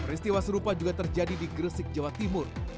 peristiwa serupa juga terjadi di gresik jawa timur